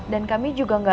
dan kami juga mau nanya